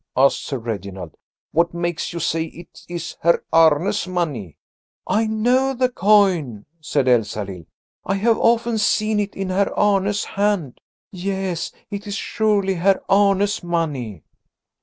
asked Sir Reginald. "What makes you say it is Herr Arne's money?" "I know the coin," said Elsalill. "I have often seen it in Herr Arne's hand. Yes, it is surely Herr Arne's money."